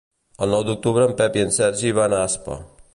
El nou d'octubre en Pep i en Sergi van a Aspa.